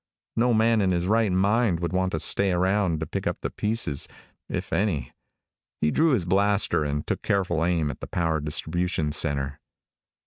No man in his right mind would want to stay around to pick up the pieces if any. He drew his blaster and took careful aim at the power distribution center.